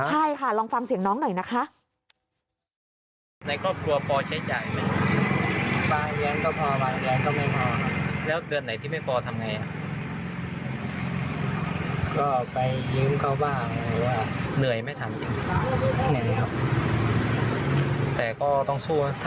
ใช่ค่ะลองฟังเสียงน้องหน่อยนะคะ